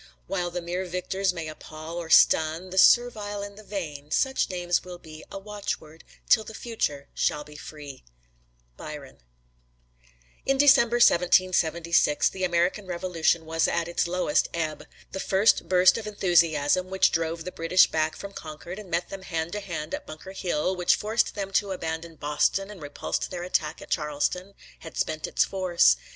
While the mere victor's may appal or stun The servile and the vain, such names will be A watchword till the future shall be free. Byron. In December, 1776, the American Revolution was at its lowest ebb. The first burst of enthusiasm, which drove the British back from Concord and met them hand to hand at Bunker Hill, which forced them to abandon Boston and repulsed their attack at Charleston, had spent its force.